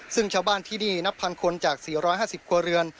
ซึ่งชาวบ้านที่นี่นับพันคนจาก๔๕๐ครัวเรือน